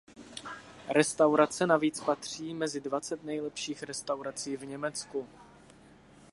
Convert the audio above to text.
Restaurace navíc patří mezi dvacet nejlepších restaurací v Německu.